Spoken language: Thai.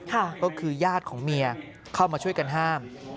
ก็คือญาติของเมียเข้ามาช่วยกันห้าม